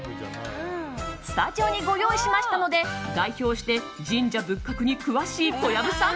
スタジオにご用意しましたので代表して神社仏閣に詳しい小籔さん。